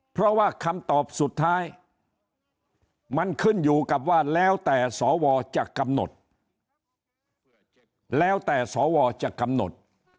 เพราะว่าคำตอบสุดท้ายมันขึ้นอยู่กับว่าแล้วแต่สวจะกำหนด